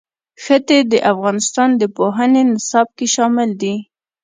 ښتې د افغانستان د پوهنې نصاب کې شامل دي.